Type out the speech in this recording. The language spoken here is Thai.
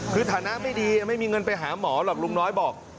คือฐานะไม่ดีไม่มีเงินไปหาหมอหรอกลุงน้อยบอก